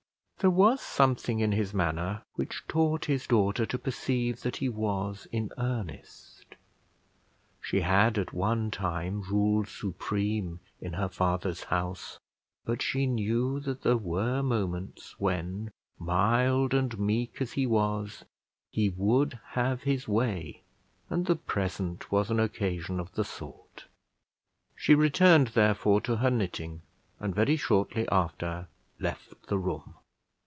There was something in his manner which taught his daughter to perceive that he was in earnest; she had at one time ruled supreme in her father's house, but she knew that there were moments when, mild and meek as he was, he would have his way, and the present was an occasion of the sort. She returned, therefore, to her knitting, and very shortly after left the room.